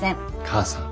母さん。